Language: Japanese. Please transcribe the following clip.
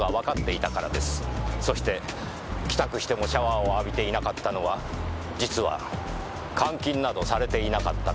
そして帰宅してもシャワーを浴びていなかったのは実は監禁などされていなかったから。